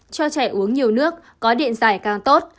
cho trẻ uống nhiều nước có điện giải càng tốt